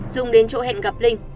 dung đến chỗ hẹn gặp linh